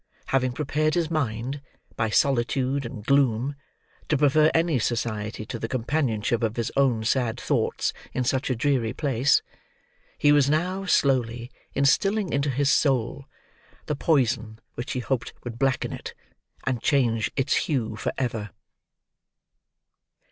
Having prepared his mind, by solitude and gloom, to prefer any society to the companionship of his own sad thoughts in such a dreary place, he was now slowly instilling into his soul the poison which he hoped would blacken it, and change its hue for ever.